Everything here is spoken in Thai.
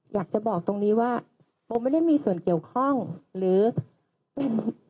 อยากจะบอกตรงนี้ว่าโบไม่ได้มีส่วนเกี่ยวข้องหรือเป็น